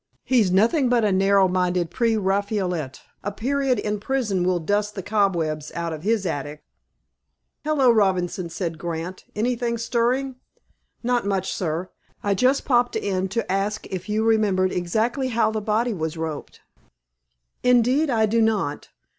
"He's nothing but a narrow minded pre Rafaelite. A period in prison will dust the cobwebs out of his attic." "Hello, Robinson!" said, Grant. "Anything stirring?" "Not much, sir. I just popped in to ask if you remembered exactly how the body was roped?" "Indeed, I do not.